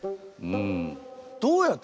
うん。